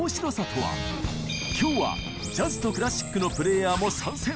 今日はジャズとクラシックのプレイヤーも参戦。